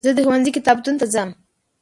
زه د ښوونځي کتابتون ته ځم.